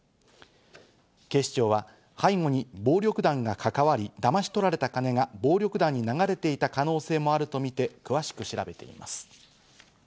警視庁は背後に暴力団が関わり、だまし取られた金が暴力団に流れていた可能性もあるとみて、詳しく調べています。